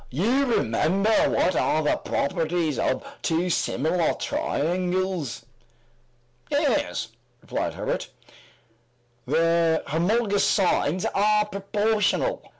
"You remember what are the properties of two similar triangles?" "Yes," replied Herbert; "their homologous sides are proportional."